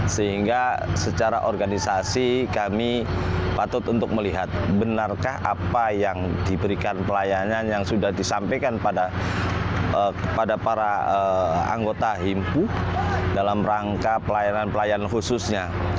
sehingga secara organisasi kami patut untuk melihat benarkah apa yang diberikan pelayanan yang sudah disampaikan kepada para anggota himpu dalam rangka pelayanan pelayanan khususnya